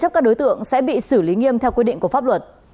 các đối tượng sẽ bị xử lý nghiêm theo quy định của pháp luật